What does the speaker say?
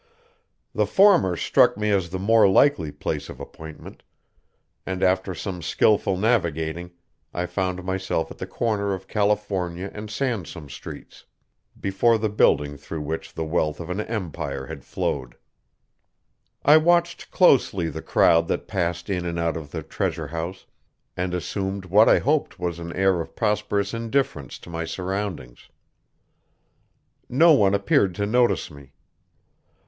The former struck me as the more likely place of appointment, and after some skilful navigating I found myself at the corner of California and Sansome Streets, before the building through which the wealth of an empire had flowed. I watched closely the crowd that passed in and out of the treasure house, and assumed what I hoped was an air of prosperous indifference to my surroundings. No one appeared to notice me.